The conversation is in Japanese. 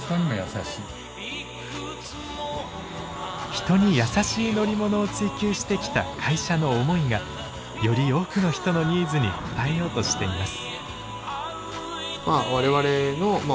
人に優しい乗り物を追求してきた会社の思いがより多くの人のニーズに応えようとしています。